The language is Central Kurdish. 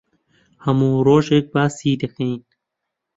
هەموو ڕۆژێک باسی دەکەین.